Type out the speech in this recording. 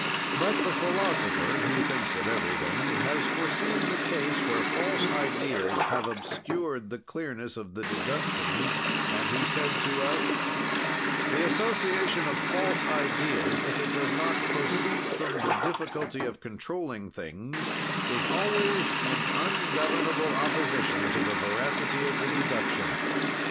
But the philosopher, who thinks of everything, has foreseen the case where false ideas have obscured the clearness of the deductions, and he said to us: "The association of false ideas, if it does not proceed from the difficulty of controlling things, is always in ungovernable opposition to the veracity of the deduction.